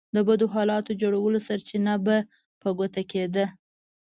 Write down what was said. د بدو حالاتو جوړولو سرچينه به په ګوته کېده.